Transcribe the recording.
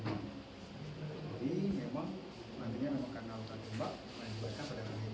jadi memang makanya memang karena otot tembak menyebabkan pendarahan anema